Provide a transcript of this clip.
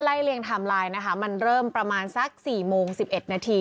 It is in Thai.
เลียงไทม์ไลน์นะคะมันเริ่มประมาณสัก๔โมง๑๑นาที